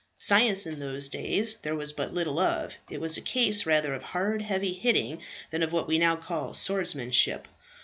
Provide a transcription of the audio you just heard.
Science in those days there was but little of; it was a case rather of hard, heavy hitting, than of what we now call swordsmanship.